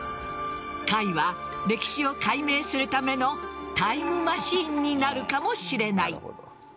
貝は歴史を解明するためのタイムマシンになるかもしれない。